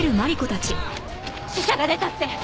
死者が出たって。